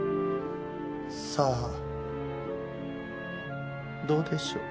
さあどうでしょう。